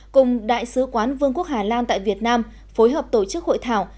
cùng đại sứ quán vương quốc hà lan tại việt nam phối hợp tổ chức hội thảo